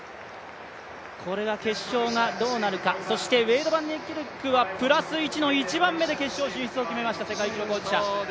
これが決勝がどうなるか、ウェイド・バンニーキルクはプラス１の１番目で決勝進出を決めました、世界記録保持者。